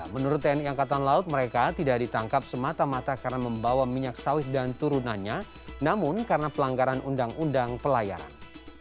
menurut tni angkatan laut mereka tidak ditangkap semata mata karena membawa minyak sawit dan turunannya namun karena pelanggaran undang undang pelayaran